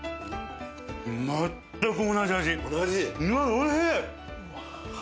おいしい！